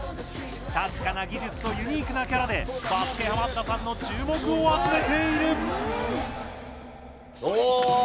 確かな技術とユニークなキャラでバスケハマったさんの注目を集めている。